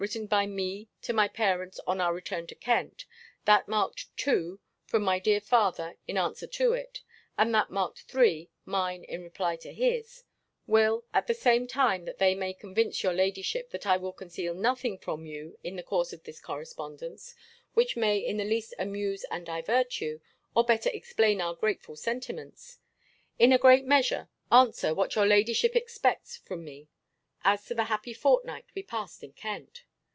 ] from my dear father in answer to it; and that marked [III.] mine in reply to his) will (at the same time that they may convince your ladyship that I will conceal nothing from you in the course of this correspondence, which may in the least amuse and divert you, or better explain our grateful sentiments), in a great measure, answer what your ladyship expects from me, as to the happy fortnight we passed in Kent.